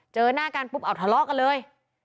เจอหน้ากันปุ๊บเอาทะเลาะกันเลย